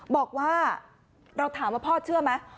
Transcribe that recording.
บอกว่าเราถามว่าพ่อเชื่อไหม